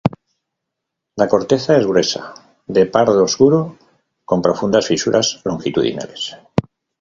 La corteza es gruesa de pardo oscuro, con profundas fisuras longitudinales.